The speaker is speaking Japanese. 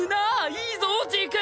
いいぞジーク！